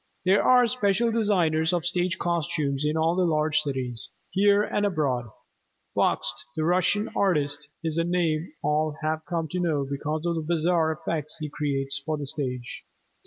There are special designers of stage costumes in all the large cities, here and abroad. Bakst, the Russian artist, is a name all have come to know because of the bizarre effects he creates for the stage.